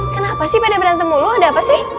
kenapa sih pada berantem mulu ada apa sih